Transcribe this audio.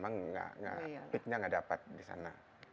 memang pitnya gak dapat disana